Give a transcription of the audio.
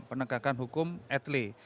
penegakan hukum etele